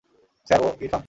Sir, ও ইরফান।